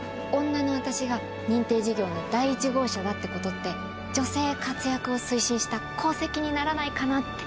女の私が認定事業の第１号者だってことって女性活躍を推進した功績にならないかなって。